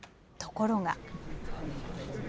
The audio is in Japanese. ところが。